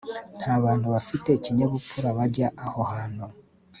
Nta bantu bafite ikinyabupfura bajya aho hantu